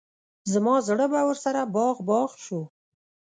زما زړه به ورسره باغ باغ شو.